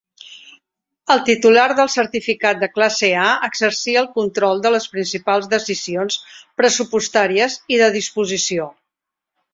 El titular del certificat de classe A exercia el control de les principals decisions pressupostàries i de disposició.